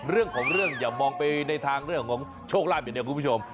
เรื่องของเรื่องอย่ามองไปในทางเรื่องของโชคลาภอย่างเดียวคุณผู้ชม